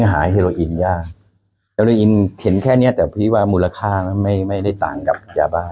หาเฮโรอินยากเฮโลอินเห็นแค่เนี้ยแต่พี่ว่ามูลค่าไม่ไม่ได้ต่างกับยาบ้า